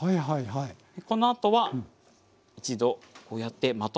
このあとは一度こうやってまとめます。